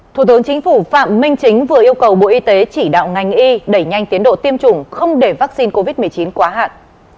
thủ tướng chính phủ phạm minh chính vừa yêu cầu bộ y tế chỉ đạo ngành y đẩy nhanh tiến độ tiêm chủng không để vaccine covid một mươi chín quá hạn